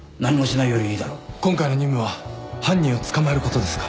今回の任務は犯人を捕まえることですか？